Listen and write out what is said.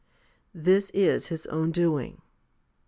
This is his own doing.